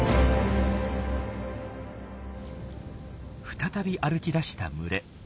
再び歩き出した群れ。